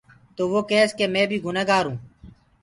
تو وو ڪيس ڪي مي بي گُنآ هونٚ۔